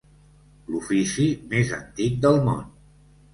L'ofici més antic del món.